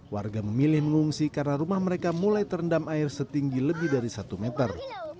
warga memilih mengungsi karena rumah mereka mulai terendam air setinggi lebih dari satu meter